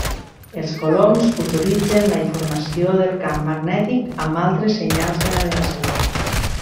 Els coloms utilitzen la informació del camp magnètic amb altres senyals de navegació.